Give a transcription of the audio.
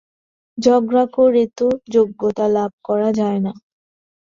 ঝগড়া করে তো যোগ্যতা লাভ করা যায় না।